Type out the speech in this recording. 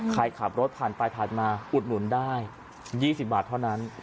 ขับรถผ่านไปผ่านมาอุดหนุนได้๒๐บาทเท่านั้น